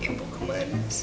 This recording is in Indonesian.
ibu kemana sih